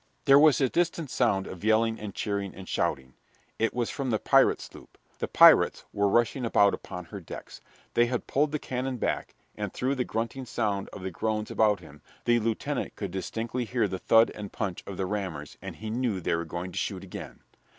There was a distant sound of yelling and cheering and shouting. It was from the pirate sloop. The pirates were rushing about upon her decks. They had pulled the cannon back, and, through the grunting sound of the groans about him, the lieutenant could distinctly hear the thud and punch of the rammers, and he knew they were going to shoot again.